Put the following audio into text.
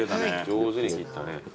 上手に切ったね。